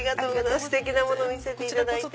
ステキなもの見せていただいて。